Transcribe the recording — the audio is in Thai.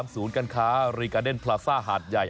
ศูนย์การค้ารีกาเดนพลาซ่าหาดใหญ่